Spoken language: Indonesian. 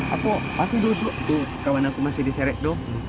aku masih duduk tuh kawan aku masih diseret tuh